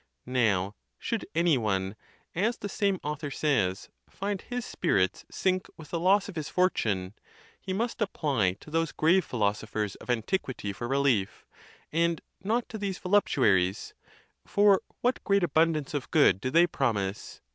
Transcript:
Now, should any one, as the same author says, find his spirits sink with the loss of his fortune, he must apply to those grave philosophers of antiquity for relief, and not to these voluptuaries: for what great abundance of good do they promise?